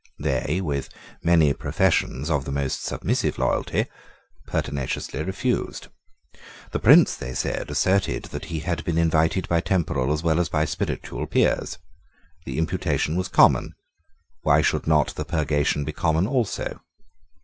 They, with many professions of the most submissive loyalty, pertinaciously refused. The Prince, they said, asserted that he had been invited by temporal as well as by spiritual peers. The imputation was common. Why should not the purgation be common also?"